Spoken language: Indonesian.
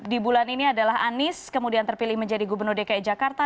di bulan ini adalah anies kemudian terpilih menjadi gubernur dki jakarta